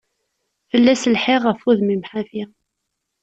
Fell-as lḥiɣ ɣef udmim ḥafi.